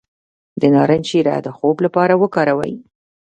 د نارنج شیره د خوب لپاره وکاروئ